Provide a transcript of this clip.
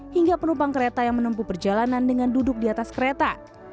hingga penumpang kereta yang menempuh perjalanan dengan duduk di atas kereta